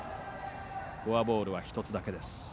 フォアボールは１つだけです。